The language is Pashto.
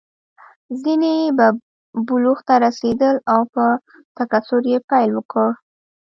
ځینې به بلوغ ته رسېدل او په تکثر یې پیل وکړ.